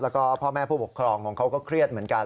แล้วก็พ่อแม่ผู้ปกครองของเขาก็เครียดเหมือนกัน